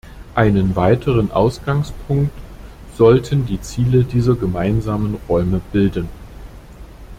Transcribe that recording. Einen weiteren Ausgangspunkt sollten die Ziele dieser gemeinsamen Räume bilden.